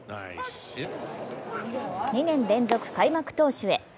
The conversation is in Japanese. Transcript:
２年連続開幕投手へ。